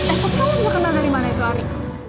eh kok kamu gak kenal dari mana itu ari